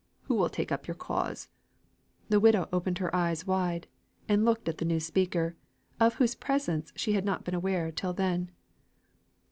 Who will take up your cause?" The widow opened her eyes wide, and looked at the new speaker, of whose presence she had not been aware till then.